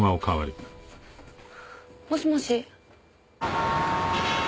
もしもし。